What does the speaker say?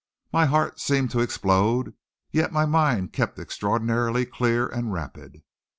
My heart seemed to explode, yet my mind kept extraordinarily clear and rapid.